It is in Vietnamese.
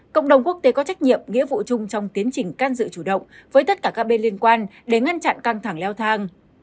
cộng đồng quốc tế có trách nhiệm nghĩa vụ chung trong tiến trình can dự chủ động với tất cả các bên liên quan để ngăn chặn căng thẳng leo thang